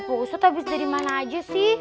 pak ustadz habis dari mana aja sih